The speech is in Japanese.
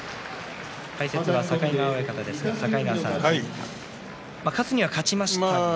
解説の境川親方です、境川さん勝つには勝ちましたけれども。